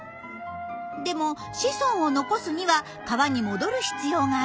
でも子孫を残すには川に戻る必要があります。